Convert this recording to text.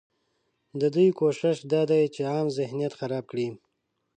ددوی کوشش دا دی چې عام ذهنیت خراب کړي